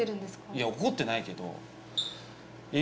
いや怒ってないけどえっ